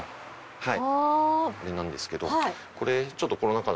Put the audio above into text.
はい。